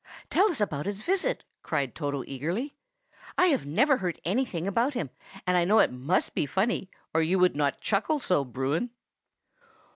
"Tell us about his visit!" cried Toto eagerly. "I have never heard anything about him, and I know it must be funny, or you would not chuckle so, Bruin."